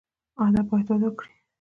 ادب باید وده وکړي